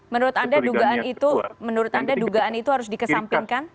menurut anda dugaan itu harus dikesampingkan